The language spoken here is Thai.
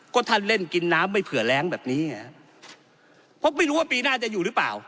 ก็ท่านเล่นกินน้ำไม่เผื่อแรงแบบนี้ไงเพราะไม่รู้ว่าปีหน้าจะอยู่หรือเปล่า